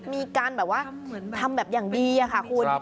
มีการแบบว่าทำแบบอย่างดีค่ะคุณ